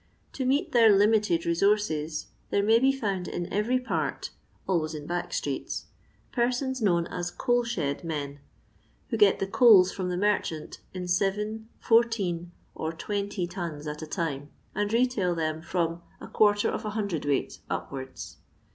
To meet their limited resources, there may be found in every part, always in back streets, per sons known as coal shed men, who get the coals from the merchant in 7, 14, or 20 tons at a time, and retail them from \ cwt upwards.